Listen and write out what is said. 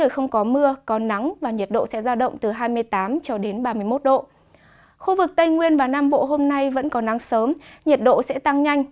khu vực tây nguyên và nam bộ hôm nay vẫn có nắng sớm nhiệt độ sẽ tăng nhanh